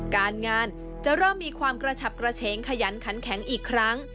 การงานจะเริ่มมีความกระฉับกระเฉงขยันขันแข็งอีกครั้ง